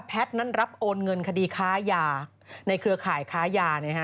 แพทย์นั้นรับโอนเงินคดีค้ายาในเครือข่ายค้ายาเนี่ยฮะ